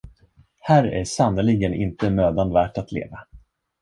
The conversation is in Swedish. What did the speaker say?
Här är sannerligen inte mödan värt att leva.